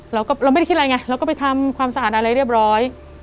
เราไม่ได้คิดอะไรไงเราก็ไปทำความสะอาดอะไรเรียบร้อย